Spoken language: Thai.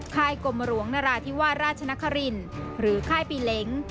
ค่ายกรมหลวงนราธิวาสราชนครินหรือค่ายปีเล้ง